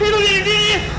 dia tuh di sini